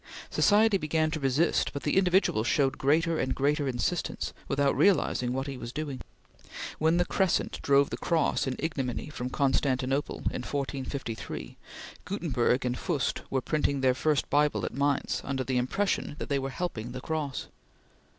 Society began to resist, but the individual showed greater and greater insistence, without realizing what he was doing. When the Crescent drove the Cross in ignominy from Constantinople in 1453, Gutenberg and Fust were printing their first Bible at Mainz under the impression that they were helping the Cross.